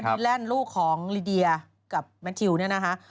ดีแล่นลูกของลีเดียกับแมทริวเนี่ยนะฮะ